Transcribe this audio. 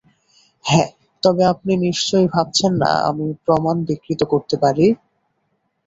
হ্যাঁ, তবে আপনি নিশ্চয় ভাবছেন না আমি প্রমাণ বিকৃত করতে পারি?